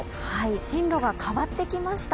進路が変わってきました。